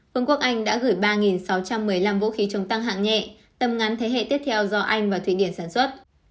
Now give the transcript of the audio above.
vương quốc anh đã gửi ba sáu trăm một mươi năm vũ khí chống tăng hạng nhẹ tầm ngắn thế hệ tiếp theo do anh và thụy điển sản xuất